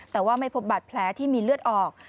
แต่ว่าไม่พบบาดแผลที่มีเลือดออก